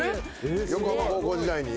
横浜高校時代に？